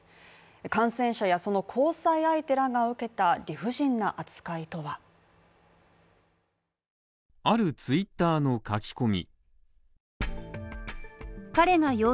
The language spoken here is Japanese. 感染者やその交際相手らが受けた理不尽な扱いとはあるツイッターの書き込み